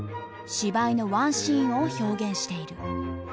芝居のワンシーンを表現している。